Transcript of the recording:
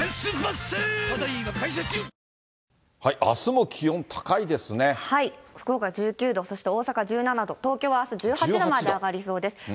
あすも気温、福岡１９度、そして大阪１７度、東京はあす１８度まで上がりそうです。